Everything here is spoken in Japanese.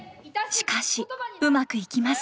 しかしうまくいきません。